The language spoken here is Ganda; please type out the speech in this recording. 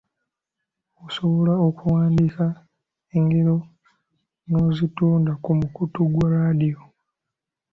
Osobola okuwandiika engero n'ozitunda ku mukutu gwa laadiyo.